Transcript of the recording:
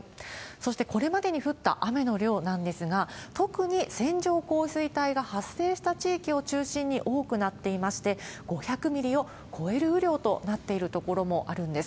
そして、これまでに降った雨の量なんですが、特に線状降水帯が発生した地域を中心に多くなっていまして、５００ミリを超える雨量となっている所もあるんです。